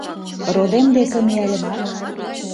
Родем деке мияльымат